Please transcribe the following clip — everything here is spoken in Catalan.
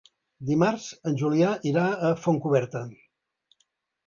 Dimarts en Julià irà a Fontcoberta.